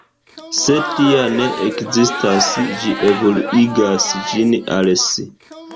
Se tia ne ekzistas, ĝi evoluigas ĝin al si.